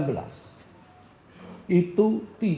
dua tahun kemudian